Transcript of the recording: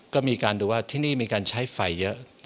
ก็มีการดูว่าที่นี่มีการใช้ไฟเยอะ